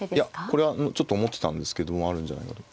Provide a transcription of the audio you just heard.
これはちょっと思ってたんですけどもあるんじゃないかと。